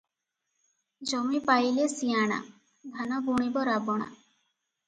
"ଜମି ପାଇଲେ ସିଆଣା, ଧାନ ବୁଣିବ ରାବଣା ।